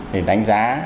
để đánh giá